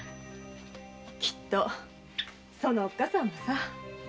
きっとそのおっ母さんも。